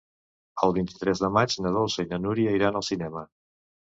El vint-i-tres de maig na Dolça i na Núria iran al cinema.